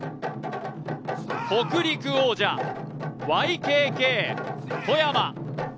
北陸王者、ＹＫＫ・富山。